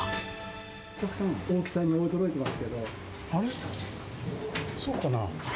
お客様が大きさに驚いてます